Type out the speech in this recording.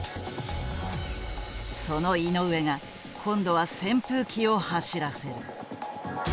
その井上が今度は扇風機を走らせる。